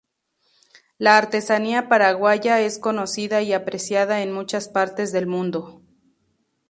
La artesanía paraguaya es conocida y apreciada en muchas partes del mundo.